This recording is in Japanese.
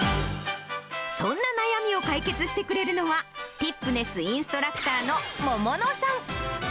そんな悩みを解決してくれるのは、ティップネスインストラクターの桃乃さん。